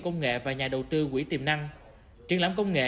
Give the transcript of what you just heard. công nghệ và nhà đầu tư quỹ tiềm năng triển lãm công nghệ